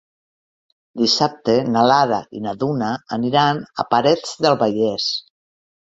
Dissabte na Lara i na Duna aniran a Parets del Vallès.